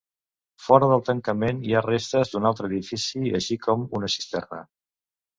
Fora del tancament hi ha restes d'un altre edifici, així com una cisterna.